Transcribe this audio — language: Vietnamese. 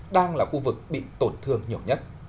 đang là khu vực bị tổn thương nhiều nhất